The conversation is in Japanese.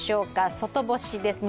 外干しです。